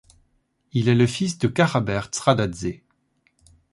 Il est le fils de Kakhaber Tskhadadze.